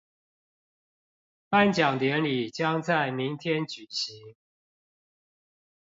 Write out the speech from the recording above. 頒獎典禮將在明天舉行